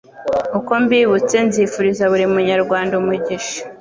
Uko mbibutse nzifuriza buri munyarwanda umugisha,